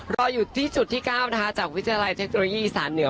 รออยู่ที่จุดที่๙นะคะจากวิทยาลัยเทคโนโลยีอีสานเหนือ